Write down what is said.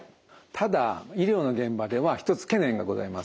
ただ医療の現場では１つ懸念がございます。